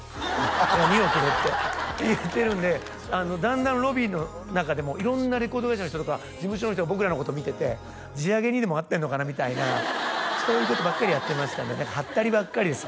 「いや２億で」って言ってるんでだんだんロビーの中でも色んなレコード会社の人とか事務所の人が僕らのこと見てて地上げにでも遭ってんのかなみたいなそういうことばっかりやってましたねハッタリばっかりです